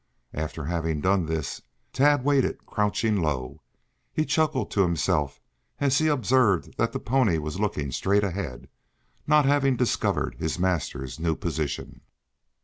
After having done this, Tad waited, crouching low. He chuckled to himself as he observed that the pony was looking straight ahead, not having discovered his master's new position.